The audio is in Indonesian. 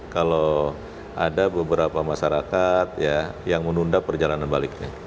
kalau ada beberapa masyarakat yang menunda perjalanan baliknya